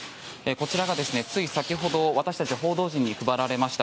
こちらがつい先ほど私たち報道陣に配られました